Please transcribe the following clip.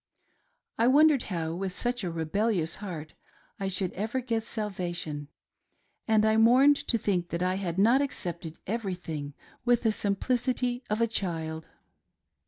I wondered how, with such a rebellious heart, I should ever get salvation, and I mourned to think that I had not accepted everything with the sim plicity of a child.